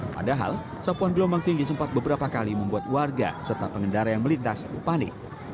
padahal sapuan gelombang tinggi sempat beberapa kali membuat warga serta pengendara yang melintas panik